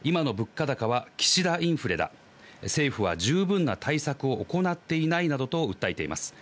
野党側は今の物価高は岸田インフレだ、政府は十分な対策を行っていないなどと訴えています。